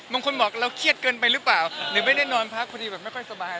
บางคนบอกเราเครียดเกินไปหรือเปล่าหรือไม่ได้นอนพักพอดีแบบไม่ค่อยสบาย